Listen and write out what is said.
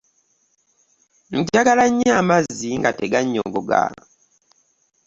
Njagala nnyo amazzi nga teganyogoga.